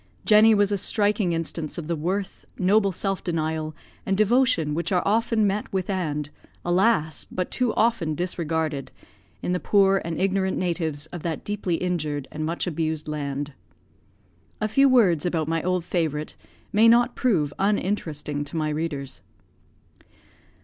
Jenny was a striking instance of the worth, noble self denial, and devotion which are often met withand, alas! but too often disregarded in the poor and ignorant natives of that deeply injured, and much abused land. A few words about my old favourite may not prove uninteresting to my readers.